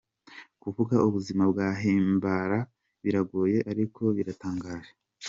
Kuvuga ubuzima bwa Himbara biragoye ariko biranatangaje.